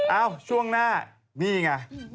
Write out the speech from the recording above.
เอ้าช่วงหน้านี่ไง